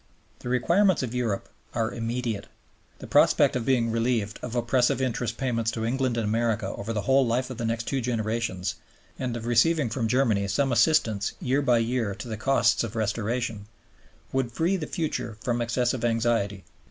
The requirements of Europe are immediate. The prospect of being relieved of oppressive interest payments to England and America over the whole life of the next two generations (and of receiving from Germany some assistance year by year to the costs of restoration) would free the future from excessive anxiety.